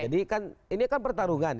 jadi kan ini kan pertarungan